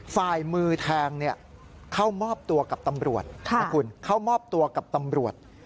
ฝ่ายมือแทงเข้ามอบตัวกับตำรวจนะคุณเข้ามอบตัวกับตำรวจ